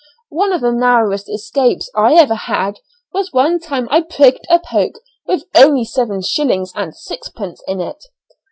One of the narrowest escapes I ever had was one time I prigged a poke with only seven shillings and sixpence in it.